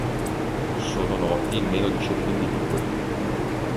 Sono noti meno di cento individui.